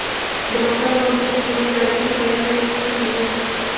د متل او مثل ترمنځ اړیکه څېړل شوې ده